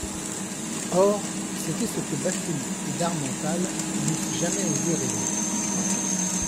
Or, c'était ce que Bathilde et d'Harmental n'eussent jamais osé rêver.